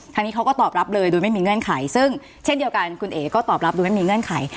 ทางนี้เขาก็ตอบรับเลยโดยไม่มีเงื่อนไขซึ่งเช่นเดียวกันคุณเอ๋ก็ตอบรับโดยไม่มีเงื่อนไข